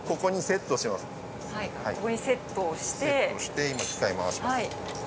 セットして今機械回します。